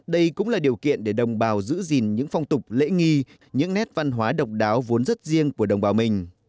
đây cũng là điều kiện để đồng bào giữ gìn những phong tục lễ nghi những nét văn hóa độc đáo vốn rất riêng của đồng bào mình